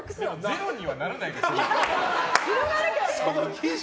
ゼロにはならないでしょ。